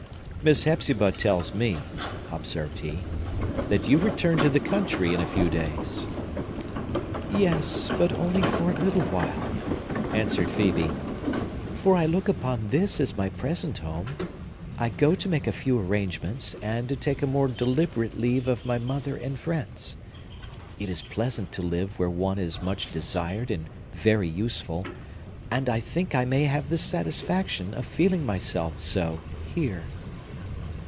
"Miss Hepzibah tells me," observed he, "that you return to the country in a few days." "Yes, but only for a little while," answered Phœbe; "for I look upon this as my present home. I go to make a few arrangements, and to take a more deliberate leave of my mother and friends. It is pleasant to live where one is much desired and very useful; and I think I may have the satisfaction of feeling myself so here."